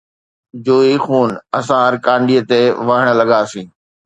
جوئي خُون اسان ھر ڪانڊيءَ تي وھڻ لڳاسين